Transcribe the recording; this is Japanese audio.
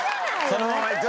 そのままいく？